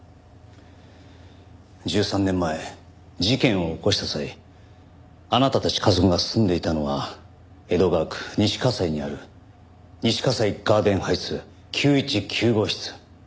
１３年前事件を起こした際あなたたち家族が住んでいたのは江戸川区西西にある西西ガーデンハイツ９１９号室。